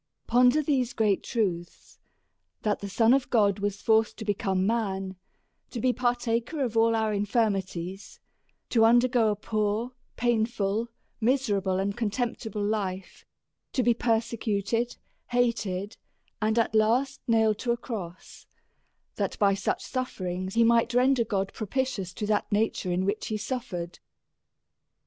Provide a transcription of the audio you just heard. Ponder these great truths : That the Son of God was forced to become man, to be partaker of all our infirmities ; to undergo a poor, painful, miserable, and contemptible life ; to be persecuted, hated, and at last nailed to a cross, that by such suff*erings he might ren der God propitious to that nature in which he suffer ed.